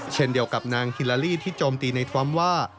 เช่นเดียวกับนางฮิลาลีที่โจมตีในทรัมป์ว่า